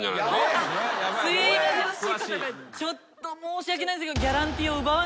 ちょっと申し訳ないですけど。